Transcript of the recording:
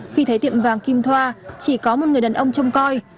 khi thấy tiệm vàng kim thoa chỉ có một người đàn ông trông coi